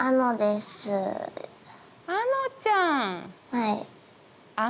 はい。